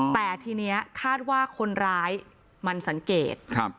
แต่ทีนี้คาดว่าคนร้ายมันสังเกต